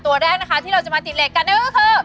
ตัวแรกนะคะที่เราจะมาติดเลจกันคือ